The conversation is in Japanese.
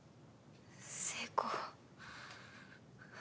成功。